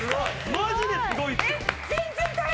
マジですごいっすよ。